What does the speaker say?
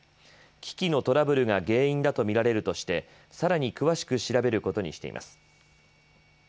機器のトラブルが原因だと見られるとしてさらに詳しく調べることにしています。